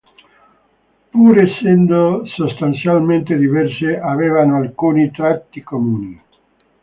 Pur essendo sostanzialmente diverse, avevano alcuni tratti comuni.